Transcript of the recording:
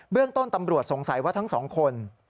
เรื่องต้นตำรวจสงสัยว่าทั้งสองคน